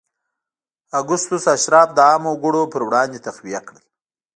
اګوستوس اشراف د عامو وګړو پر وړاندې تقویه کړل.